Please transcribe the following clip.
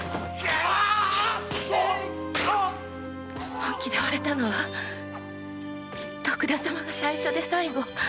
本気で惚れたのは徳田様が最初で最後。